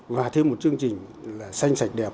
và thêm một chương trình là xanh sạch đẹp